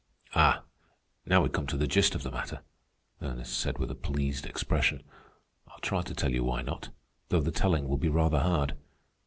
"Ah, now we come to the gist of the matter," Ernest said with a pleased expression. "I'll try to tell you why not, though the telling will be rather hard.